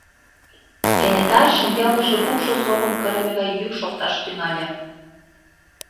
Кенета шеҥгелныже кукшо совым кырыме гай йӱк шокташ тӱҥале.